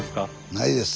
ないです！